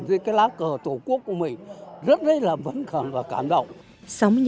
thấy cái lá cờ tổ quốc của mình rất là vấn khẳng và cảm động